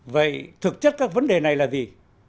vậy thực chất các vấn đề này là gì